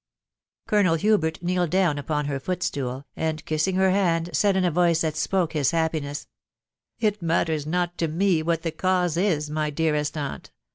* Colonel Hubert kneeled down 'upon lier "footstool, and Kiss ing her hand, said, in a voice that spoke his happiness, " It matters not to me what the cause is, my dearest aunt.